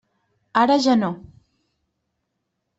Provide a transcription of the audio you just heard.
Ara ja no.